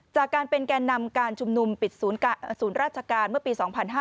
จากการเป็นแก่นำการชุมนุมปิดศูนย์ราชการเมื่อปี๒๕๕๙